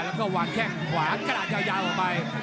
แล้วก็วางแข้งขวากระดาษยาวออกไป